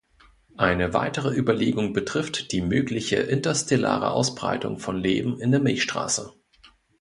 Eine weitere Überlegung betrifft die mögliche interstellare Ausbreitung von Leben in der Milchstraße.